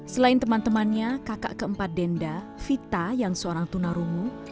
selain teman temannya kakak keempat denda vita yang seorang tunarungu